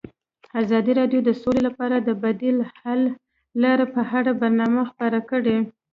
ازادي راډیو د سوله لپاره د بدیل حل لارې په اړه برنامه خپاره کړې.